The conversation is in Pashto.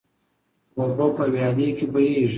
اوبه په ویاله کې بهیږي.